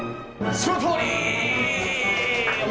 そのとおり！